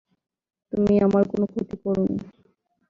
তুমি আমার কোনো ক্ষতি করোনি।